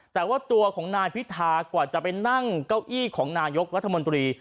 แต่ว่าตัวของนายพิธากว่าจะไปนั่งเก้าอี้ของนายกรัฐมนตรี